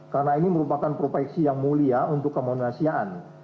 karena ini merupakan profesi yang mulia untuk kemonasian